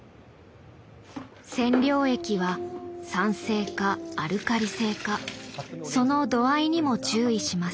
染料液は酸性かアルカリ性かその度合いにも注意します。